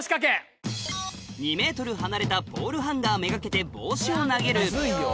２ｍ離れたポールハンガーめがけて帽子を投げるムズいよ！